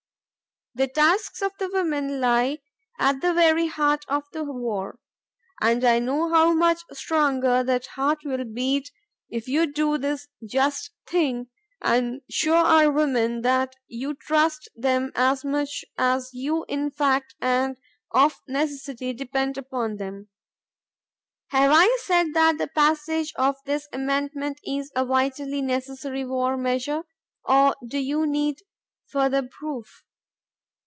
The tasks of the women lie at the very heart of the war, and I know how much stronger that heart will beat if you do this just thing and show our women that you trust them as much as you in fact and of necessity depend upon them. Have I said that the passage of this amendment is a vitally necessary war measure, and do you need further proof?